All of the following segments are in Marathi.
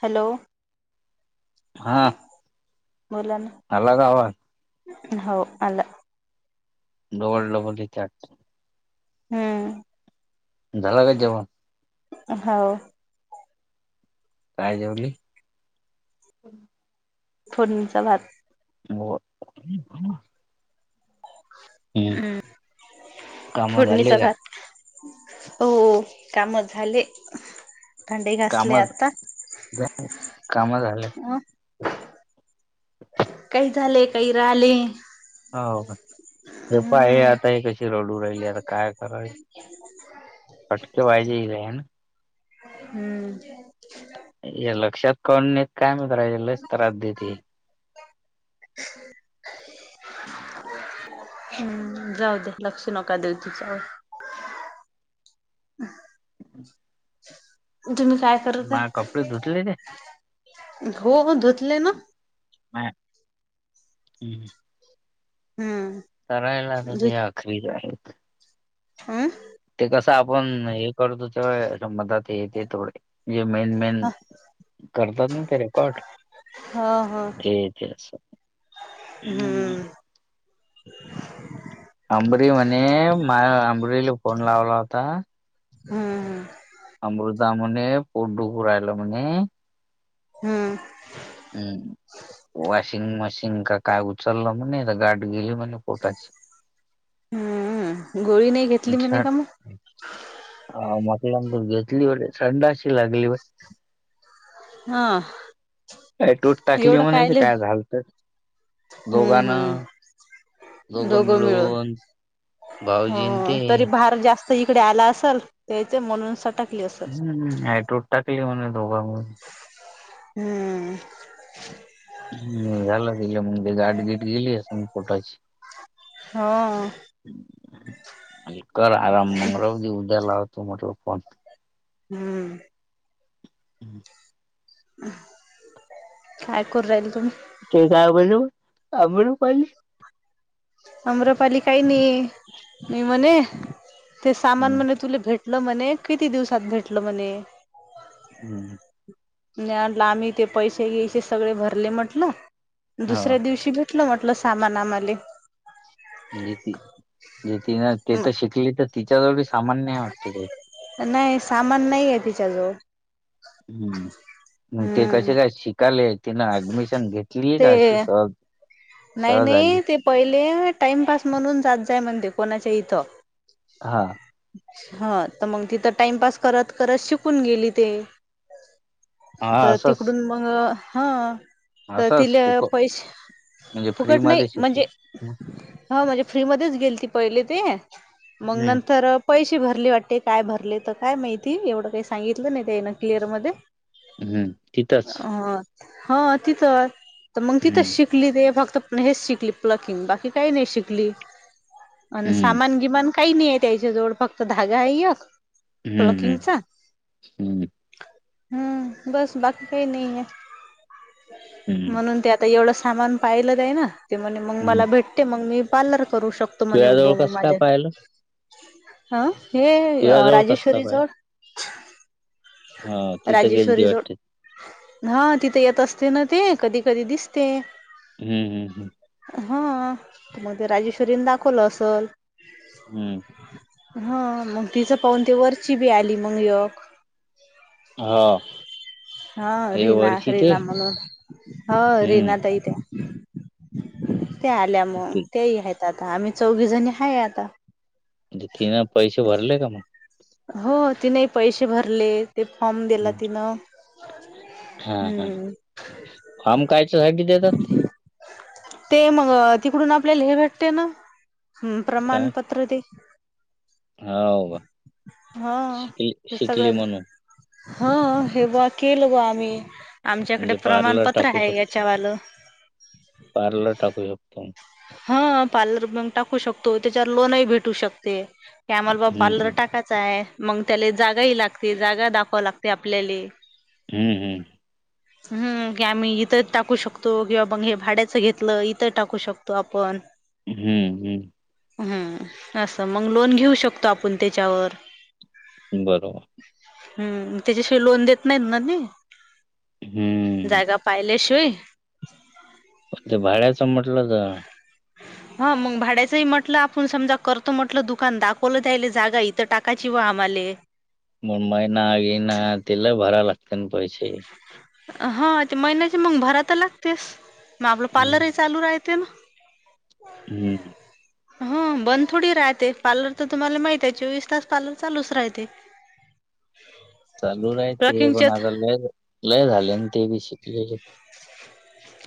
हॅलो हा बोला ना आला का आवाज? हो आला डबल डबल ह चार हम्म झाला का जेवण हो काय जेवली फोडणीचा भात हो हम्म हम् काम झाले फोडणीचा का भात हो कामच झाले भांडी घासले आता कामा झाल्या अ ह काही झाले काही राले हो का हे प आहे आता हे कशी रडू राहिली आता काय कराय फटके पाहिजे का ना हम्म [inaudible] हे लक्षात कोडेत कायम रा लक्ष तर राती [inaudible] [inaudible] हम्म जाऊ दे लक्ष नका देऊ तिच्यावर [inaudible] तुम्ही काय करत माये कपडे आहे धुतले ते हो हो धुतले ना [inaudible] हम्म करायला तर धु ते आखरी जा हम्म ते कसं आपण हे करतो ते मतात येते थोडे म्हजे मेन मेन करतात ना ते रेकॉर्ड हो हो ते तेच हम्म अंबरी म्हणे माझ अंबरीला फोन लावला होता हम्म अमृता म्हणे पोरडुपूर राहिला म्हणे हम्म हम्म वॉशिंग मशीन का काग उचललं म्ह गाठ गेली म्हणे पोटाची घोळी नाही घे मकलांत घेतली बरे थडा अशी लागली व [inaudible] हा काय तोट टाकली एवढं म्हणाय कायले काय झाालत, दोघांना दोघ मिळून हो भाऊजीन ते तरी फार जास्त इकडे आला असल त्यायच म्हणून सटा हम्म हाड्रोड टाकली म्ह धोबा हम्म झाला तिला म्हग ते गाठगीट गेली सग पोटाची हं आणि कर आराम मंगळाधी उद्यालावतो म्हटल फोन हम्म काय करू रायल तुम्ही ते काय बोल अमरू पल अम्रपाली काही नाही मी म्हणे ते हम्म सामान म्ह तुला भेटलं म्हणे किती दिवसात भेटल म्हणे हम्म नाही आम्ही ते पैसे घ्यायचे सगळे भरले म्हटलं हो दुसऱ्या दिवशी बी कटल मोटल सामान आमा्हाले ज ती जे तिनं ते तर शिकली तर तिच्याजवळी सामान्य वाटते काही नाही सामान नाही आहे तिच्याजवळ हम्म मग ते कसे हम्म काय शिकालेय तिनं ऍडमिशन घेतलीय ते का अशी सहज नाही सहज आली नाही ते पहिले टाइमपास म्हणून जात जाय म्हणते कोणाच्या इथं हा हा तर मग तिथं टाइमपास करत करत शिकून गेली ते हा तर असंच तिकडून मग हा तर असंच तिला फुकट पैसे म्हणजे फ्री फुकट नाही मध्ये शिकली म्हणजे हा म्हणजे फ्री मच गेली ती पहिले ते मग हम्म नंतर पैसे भरले वाटते काय भरले तर काय माहिती एवढं काही सांगितलं नाही त्यान क्लिअर मध्ये हम्म तिथंच अ हा तिथं तर मग तिथंच हम्म शिक शिकली ते फक्त हेच शिकली प्लकिंग बाकी काही नाही शिकली अ हम्म सामान गिमान काही नाही आहे त्याच्या जवळ फक्त धागा आहे य हम्म प्लकिंग हम्म चा हम्म हम्म बस बाकी काही नाही आहे हम्म म्हणून ते आता एवढंच सामान पाहिलं जा ना ते म्हणे मग हम्म मला भेटते मग मी पार्लर करू शक म्हणे उभ तुझ्याजवळ म कसं काय माझ्या पाहिलं हा हे तुझ्याजवळ कसं काय राजेश्वरी पाहिलं जवळ हा तिथं गेलती राजेश्वर जवळ. वाटते हा तिथं येत असते ना ते कधी कधी दिसते. हम्म हम्म हम्म. हा मग ते राजेश्वरीने दाखवलं असल हम्म. हा मग तिचं पाहून त वरची बी आली मग एक हा. हा हे रीना वर्षी ते रीना म्हणून हा हम्म रीना ताई त्या ते आल्या मग ती तेही आहेत आता आम्ही चौघी जणी आहे आता. म्हणजे तिन पैसे भरले का मग. हो तिने पैसे भरले ते फॉर्म दिला हम्म. तिनं. हा हा हम्म फॉम कायच्यासाठी देतात ते? ते मग तिकडून आपल्याला हे भेटते ना प्रमाणपत्र ते हाव का हा शिकली ते शिकली सगळं म्हणून. हा हे ब केलं ग आम्ही आमच्याकडे म्हणजे पार्लर प्रमाणपत्र टाकू आहे शकतो याच्यावालं पार्लर टाकू शकतो. हा पार्लर बँक टाकू शकतो त्याच्यावर लोनही भेटू शकते. क आम्हाला बाबा पार्लर हम्म टाकायचा आहे मग त्याला जागा ही लागते जागा दाखवाव लागते आपल्याला हम्म हम्म. ह् की आम्ही इथं टाकू शकतो किंवा बंग हे भाड्याचं घेतलं इथं टाकू शक तो आपण. हम्म हम्म. हम्म असं मग लोन घेऊ शकतो आपण त्याच्यावर. बरोबर. हम्म त्याच्याशिवाय लोन देत नाहीत ना नाही हम्म जागा पाहिल्याशिवाय ते भाड्याचं म्हटलं तर हा मग भाड्याचंही म्हटलं आपण समजा करतो म्हटलं दुकान दाखवलं जायल जागा इथं टाकायची बॅ आम्हाले. मण मग ना घे ना तिला भरा लागते ना पैसे. हा ते महिन्याची मग भरा तर लागतेस मग आपलं हम्म पार्लरही चालू राहते ना. हम्म. ह बंद थोडी राहते पार्लर तर तुम्हाला माहित आहे चोवीस तास पार्लर चालूच राहते. चालू राह ते पण क्लकिंगचे आता लय लय झाले ते बी शिकलेले.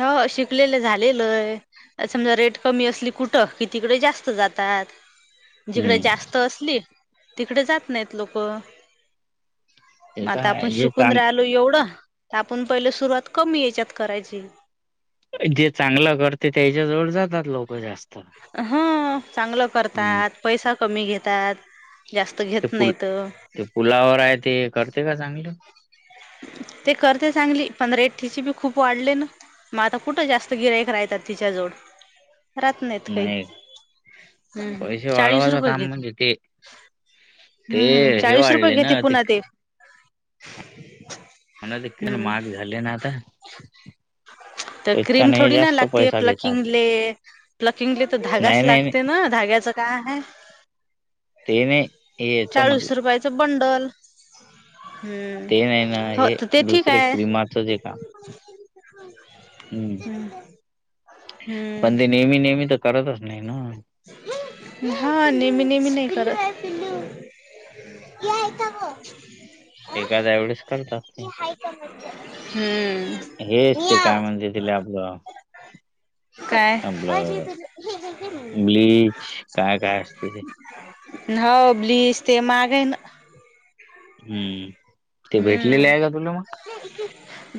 हो शिकलेलं झाले लय. समजा रेट कमी असली कुठं कि तिकडे जास्त जातात. जिकडे हम्म जास्त असली तिकडे जात नाहीत लोक. ते मग तर आता आपण आहे जे शिकून चांग राहिलो एवढं आपण पहिले सुरुवात कमी याच्यात करायची. जे चांगलं कर ते त्याच्या जवळ जातात लोक जास्त ह चांगलं हम्म. करतात पैसा कमी घेतात जास्त ते घेत पुल नाही त ते पुलावर आहे ते करते का चांगलं. [unintelligible] ते करते चांगली पण रेट तिची बी खूप वाढले ना मग आता कुठं जास्त गिरायक राहतात तिच्या जवळ राहत नाहीत काही. नाही हम पैसे चाळीस वाढवायचं रुपय काम घेतलं. म्हणजे ते ते हम्म हे चाळीस रुपये वाढले घेते ना पुन्हा ते मना देण हम्म. माग झाले ना आता. तर क्रीम त्याच्याने हे थोडी ना जास्त लागते पैसा घेतात. प्लकिंगले. लकिंगली तर धागच नाही नाही नाही लागते ना. धाग्याच काय आहे ते नाही हे याच चाळीस म्हटलं रुपयाच बंडल. हम्म. ते नाही ना हो हे तर ते ठीक दुसरे क्र्रीमाचच हे काम. हम्म हम. पण ते नेहमी नेहमी तर करतच नाही ना. हा नेहमी नेहमी नाही करत. याय का ग [inaudible] एखाद्या एवळीच [unintelligible] करणतात हम्म. हेच ते काय म्हणते तिले आपलं. काय. आपलं ब्लीच काय काय असते ते ह ब्लीज ते माग आहे ना. हम्म. ते भेटलेले हम्म. आहे का तुला मग?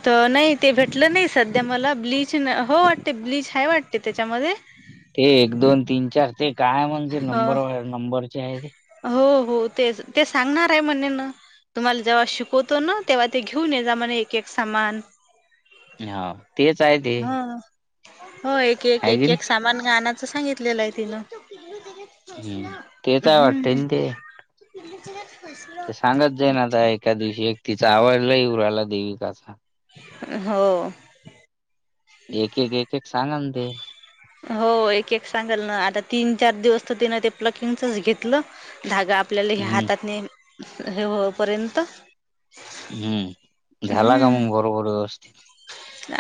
तर नाही ते भेटलं नाही सध्या मला ब्लीच ना हो वाटते ब्लीच हय वाटते त्याच्यामध्ये. ते एक दोन तीन चार ते काय म्हणज नंबर हो नंबरचे आहे ते हो हो तेच ते सांगणार आहे म्हणणे ना. तुम्हाला जेव्हा शिकवतो ना तेव्हा ते घेऊन ये जा म एक एक सामान. हा. तेच आहे ते हा हो एक एक आहे की एक एक सा नाही? सामान गाण्याचं सांगितलेलं आहे तिनं हं. तेच आहे वाटते हम्म. ना ते. ते सांगत जाई नाता एका दिवशी एक तिचा आवाजलाही उर आला देवीकाचा. हो. एक एक एक सांग ते हो एक एक सांगाल ना आता तीन चार दिवस तर तिनं ते प्लकिंगच घेतलं धागा आपल्याला हे हं. हातातने हे होपर्यंत. हम्म झाला का हम्म मग बरोबर व्यवस्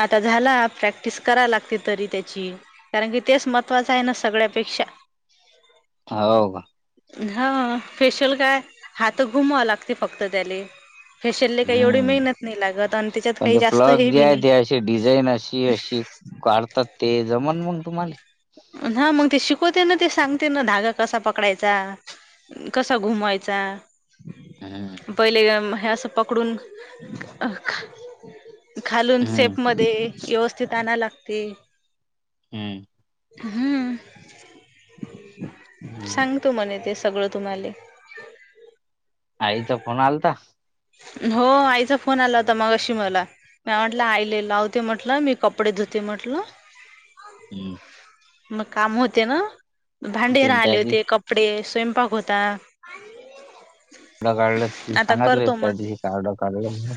आता झाला प्रॅक्टिस करा लागते तरी त्याची कारण की तेच महत्त्वाचं आहे ना सगळ्यापेक्षा. हो का. हा फेशियल काय हात घुमां लागते फक्त त्याला फेशलले काही एवढी हं. मेहनत नाही लागत आणि त्याच्यात पण काही ते जास्त प्लग हे जे बी आहे नाही. ते अशी डिझाईन अशी अशी काढतात ते जमन मग तुम्हाला ह मग ते शिकवते ना ते सांगते ना धागा कसा पकडायचा कस घुमवायचा हं. पहिले हे अस पकडून घालून हं. सेप मध्ये व्यवस्थित आणा लागते. हम्. हम्म हं. सांगतो मणे ते सगळं तुम्हाला. आईचा फन आलता हो आईचा फोन आलावता होता मगाशी मला. म्या म्हटलं आईले लावते म्हटलं मी कपडे धुते म्हटल हम्म. मग काम होते ना भांडे तिला त्या राहले होते दिवशी कप - -पडे स्वयंपाक होता ड काढलं आता सांगितले करतो त्या मग दिवशी काडं काढलं म्हण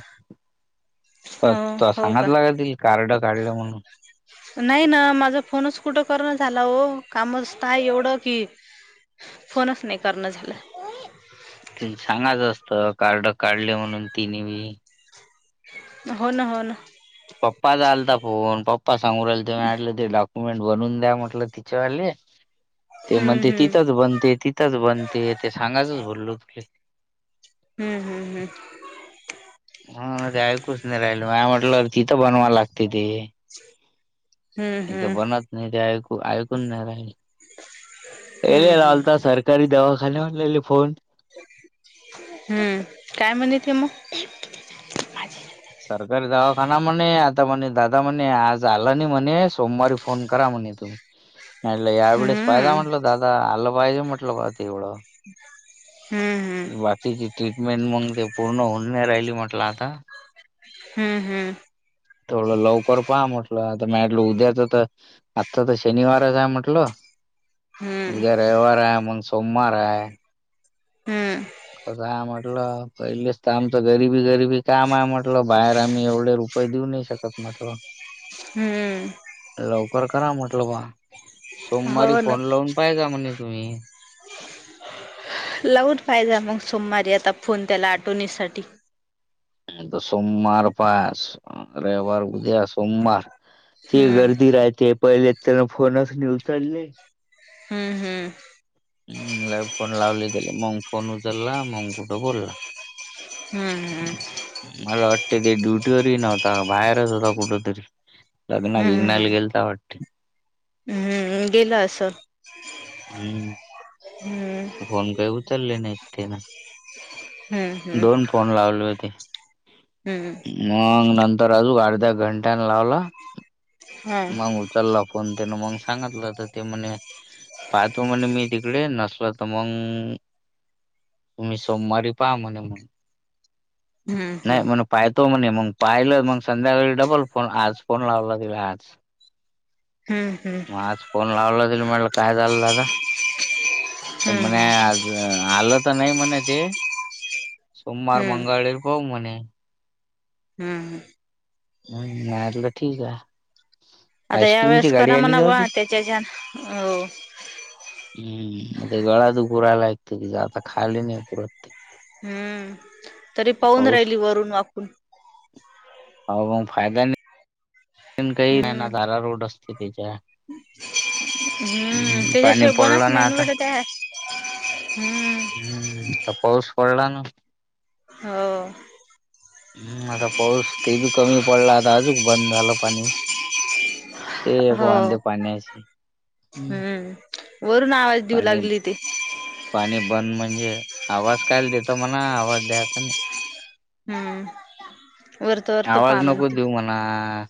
त अ तो हो का सांगतला कातील कार्ड काढलं म्हणून नाही ना माझा फोनच कुठं करण झाला हो कामचतय एवढं की फोनच नाही करणं झालं तील सांगायचं असत कार्ड काढले म्हणून तिने बी हो ना हो ना पप्पा चा आलता फोन पप्पा सांगू रायले ते [unintelligible] डॉ मेंट बनवून द्या म्हटलं तिच्यावाले ते हम्म म्हणते हम्म तिथंच बनते तिथंच बनते ते सांगातच बोललो तु की हम्म हम् हम्म हा ते ऐकूच नाही राहिल म म्हटलं अ तिथं बनवाय लागते ते [inaudible] हम्म इथ हम्म बनत नाही ते ऐकू ऐकून नाही हम्म राहिले हम्म हम्म रालता सार तरी दवाखानेवर लेले फोन हम्म काय म्हणिती मग [unintelligible] सरकारी दवाखाना म्हणे आता म्हणे दादा म्हणे आज आला नाही म्हणे सोमवारी फोन करा म्हणे तुम्ही म्हलं यावेेळेस पाहिदा हम्म म्हटलं दादा अल्लं पाहिजे म्हटलं पा ते एवढं हम्म हम् तीची ट्रीटमेंट मग ते पूर्ण होऊ नाही राहिली म्हटलं आता हम्म हम्म थोडं लवकर पहा म्हटलं आता माटलं उद्याच तर आता तर शनिवारच आहे म्हटल हम्म उद्या रविवार आहे मग सोमवार हाय हम्म आहेय म्हटलं पहिलेच तर आमच गरीबी गरीबी काम आहे म्हटलं बाहेर आम्ही एवढे रुप - पय देऊ नाही शकत म्हटल हम्म लवकर करा म्हटलं बा सोमवारी हो ना फोन लावून - पाय का म्हणे तुम्ही लावून पाहिज मग सोमवारी आता फोन त्याला आठवणीसाठी आता सोमवार पास रविवार उद्या सोमवार ती हम्म गर्दी राहते पयले त्याना फोनच नाही उचलली हम्म हम्म ह लई फोन लावले तीले मग फोन उचलला मग कुठं बोलला हम्म हम् मला वाटते ते ड्युटी वरही नव्हत बाहेरच होता कुठ तरी लग्ना बिग्नाला गेलता वाट हम्म् गेला असल हम्म फोन काय उचलले नाही तिन हम्म हम्म दोन फोन लावले होते हम्म मग नंतर अजून अर्ध्या घंट्यान लावला ह मग उचलला फोन त्यान मग सांगितलं तर ते म्हणे पाहतो म्हणे मी तिकडे नसल तर मग तुम्ही सोमवारी पहा म्हणे म्ह हम्म नाही हम्म म्हण पाहतो म्हणे मग पाहिलं मग संध्याकाळी डबल फोन आज फोन लावला तला आज हम्म हम् मग आज फोन लावला त म्हटलं काय झालं दादा तर म्हणे हम्म आज आलं तर नाही म्हणे ते सोमवार हम्म हम्म मंगळ पाऊ मणे हम् हम् [unintelligible] ठीकाय आता या वेळेस करा म्हणा का ब होती. त्याच्याच्यान हम्म गळा दुपुरायला यकतं तिं आता खाली नाही पुरतते हम्म तरी पाहून पाऊस राहिली वरून वाकून हो मग फायदा नाही काही हम्म ना तारा रोड असते त्याच्या हम्म हम्म, पाणी त्याच्याशिवाय बनत पडलं ना आता. नाहीवटया हम्म हम्म आता पाऊस पडला ना हो हम्म आता पाऊस ते बी कमी पडला आता आजूक बंद झालं पाणी ते गो हो वनंद पाणीची हम्म वरून आवाज देऊ लागली ते पाणी बंद म्हणजे आवाज कायला देतो म्हणा आवाज द्यायचा नाही हम्म वरत वरत पा म्हनती ह